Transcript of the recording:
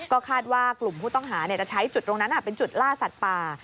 ก็คาดว่ากลุ่มผู้ต้องหาจะใช้จุดตรงนั้นเป็นจุดล่าสัตว์ป่า